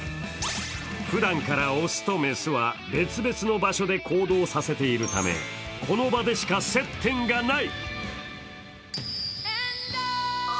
ふだんから雄と雌は別々の場所で行動させているためこの場でしか接点がない！